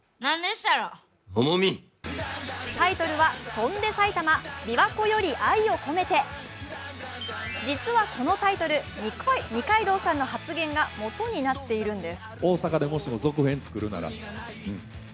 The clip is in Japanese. タイトルは「翔んで埼玉琵琶湖より愛をこめて」実はこのタイトル、二階堂さんの発言が元になっているんです。